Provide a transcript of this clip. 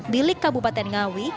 milik kabupaten ngawi